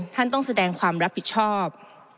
ท่านต้องแสดงความรับผิดชอบ